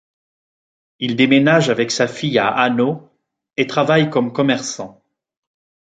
Il déménage avec sa fille à Hanau et travaille comme commerçant.